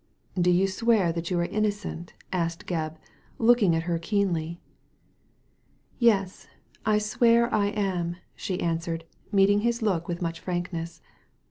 "Do you swear that you are innocent? asked Gebb, looking at her keenly. "Yes, I swear I am," she answered, meeting his look with much frankness.